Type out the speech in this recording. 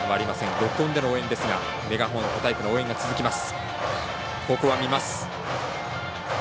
録音での応援ですがメガホンをたたいての応援が続きます。